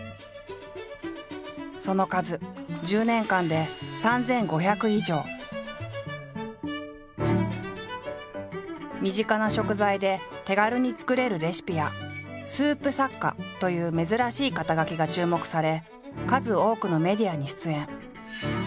その数身近な食材で手軽に作れるレシピや「スープ作家」という珍しい肩書が注目され数多くのメディアに出演。